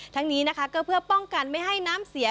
ทั้งนี้นะคะก็เพื่อป้องกันไม่ให้น้ำเสีย